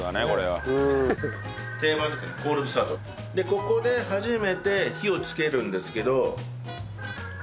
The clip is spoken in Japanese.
ここで初めて火をつけるんですけど。